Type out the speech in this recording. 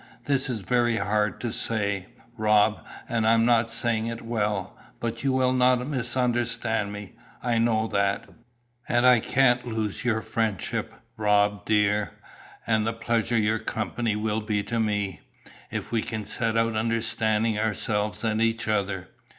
"This is very hard to say, Rob, and I am not saying it well, but you will not misunderstand me, I know that; and I can't lose your friendship, Rob, dear, and the pleasure your company will be to me, if we can set out understanding ourselves and each other.